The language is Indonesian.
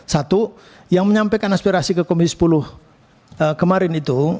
satu yang menyampaikan aspirasi ke komisi sepuluh kemarin itu